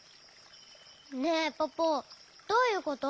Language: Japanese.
ねえポポどういうこと？